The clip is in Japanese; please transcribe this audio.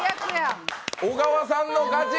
小川さんの勝ち！